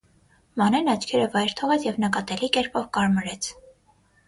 Մանեն աչքերը վայր թողեց և նկատելի կերպով կարմրեց: